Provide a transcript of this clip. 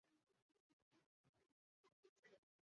蹴球场在中美洲各处都有设立。